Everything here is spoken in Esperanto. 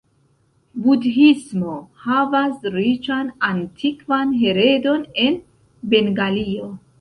Budhismo havas riĉan antikvan heredon en Bengalio.